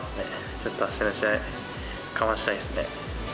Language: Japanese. ちょっとあしたの試合、かましたいですね。